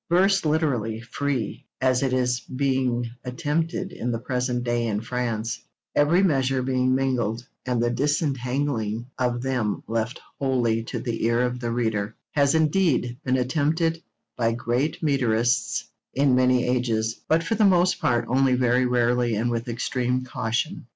Verse literally 'free,' as it is being attempted in the present day in France, every measure being mingled, and the disentangling of them left wholly to the ear of the reader, has indeed been attempted by great metrists in many ages, but for the most part only very rarely and with extreme caution.